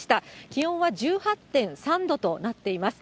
気温は１８．３度となっています。